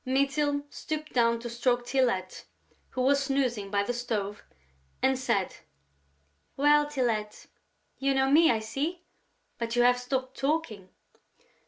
Mytyl stooped down to stroke Tylette, who was snoozing by the stove, and said: "Well, Tylette?... You know me, I see, but you have stopped talking."